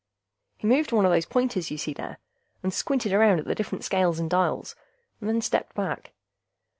He moved one of those pointers you see there, and squinted around at the different scales and dials, and then stepped back.